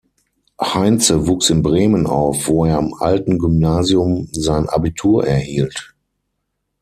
Heintze wuchs in Bremen auf, wo er am Alten Gymnasium sein Abitur erhielt.